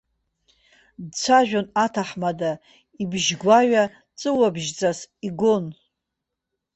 Дцәажәон аҭаҳмада, ибжьгәаҩа ҵәыуабжьҵас игон.